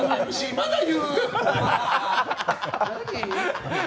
まだ言う！